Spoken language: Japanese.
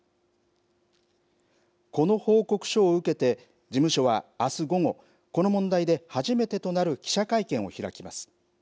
この報告書を受けて、事務所はあす午後、この問題で初めてとなる記者会見を開きます。